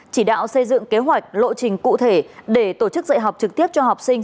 chỉ đạo xây dựng kế hoạch lộ trình cụ thể để tổ chức dạy học trực tiếp cho học sinh